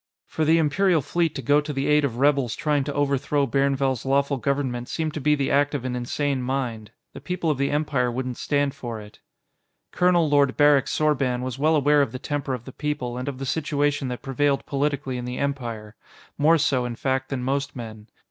For the Imperial Fleet to go to the aid of rebels trying to overthrow Bairnvell's lawful government seemed to be the act of an insane mind. The people of the Empire wouldn't stand for it. Colonel Lord Barrick Sorban was well aware of the temper of the people and of the situation that prevailed politically in the Empire more so, in fact, than most men.